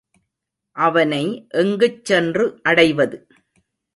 அவனை எங்குச் சென்று அடைவது?